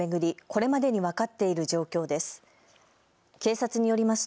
これまでに分かっている状況です。